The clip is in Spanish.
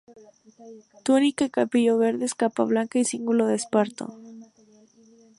Túnica y capillo verdes, capa blanca y cíngulo de esparto.